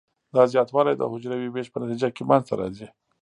دا زیاتوالی د حجروي ویش په نتیجه کې منځ ته راځي.